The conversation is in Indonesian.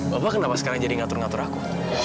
bapak kenapa sekarang jadi ngatur ngatur aku